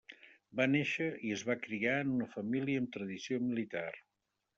Va néixer i es va criar en una família amb tradició militar.